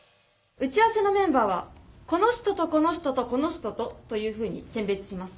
打ち合わせのメンバーはこの人とこの人とこの人とというふうに選別します。